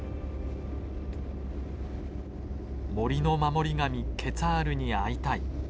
森の守り神ケツァールに会いたい。